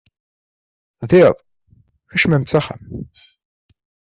D iḍ, kecmemt s axxam.